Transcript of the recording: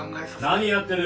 何やってる！